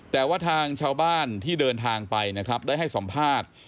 แต่ว่าทางชาวบ้านที่เดินทางไปนะครับได้ให้สัมภาษณ์